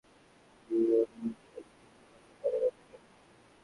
দ্বিতীয় দফায় তাঁকে জিজ্ঞাসাবাদের জন্য দু-এক দিনের মধ্যে কারাগার থেকে আনা হবে।